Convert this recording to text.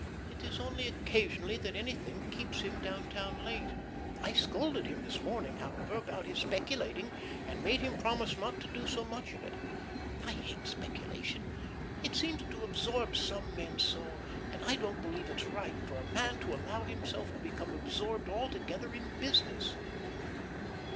It is only occasionally that anything keeps him down town late. I scolded him this morning, however, about his speculating, and made him promise not to do so much of it. I hate speculation. It seems to absorb some men so; and I don't believe it's right for a man to allow himself to become absorbed altogether in business."